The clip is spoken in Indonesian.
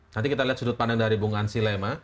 nanti kita lihat sudut pandang dari bung ansi lema